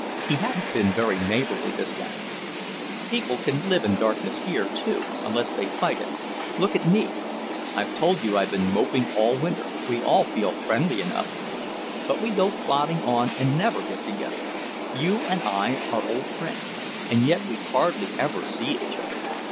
He hadn't been very neighbourly this last year. "People can live in darkness here, too, unless they fight it. Look at me. I told you I've been moping all winter. We all feel friendly enough, but we go plodding on and never get together. You and I are old friends, and yet we hardly ever see each other.